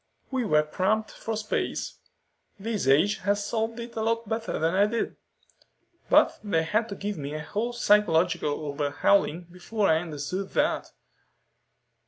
"We were cramped for space. This age has solved it a lot better than I did. But they had to give me a whole psychological overhauling before I understood that."